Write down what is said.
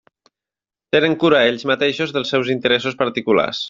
Tenen cura ells mateixos dels seus interessos particulars.